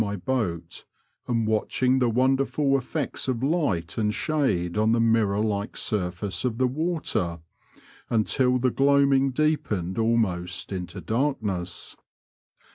79 my boat and watching the wonderful effects of light and shade on the mirror like surface of the water, until the gloaming deepened almost into darkness.